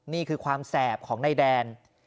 นี่คือความแสบของนายแดน